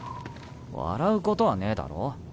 笑うことはねえだろ。